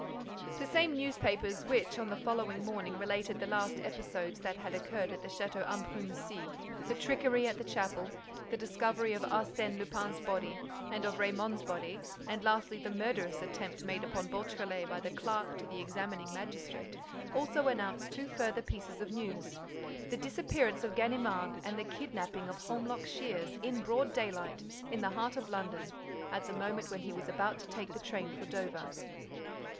The same newspapers which, on the following morning, related the last episodes that had occurred at the Château d'Ambrumésy—the trickery at the chapel, the discovery of Arsène Lupin's body and of Raymonde's body and, lastly, the murderous attempt made upon Beautrelet by the clerk to the examining magistrate—also announced two further pieces of news: the disappearance of Ganimard, and the kidnapping of Holmlock Shears, in broad daylight, in the heart of London, at the moment when he was about to take the train for Dover.